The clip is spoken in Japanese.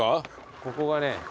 ここがね。